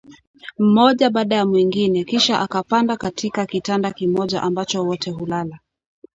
mmoja baada ya mwingine kisha akapanda katika kitanda kimoja ambacho wote hulala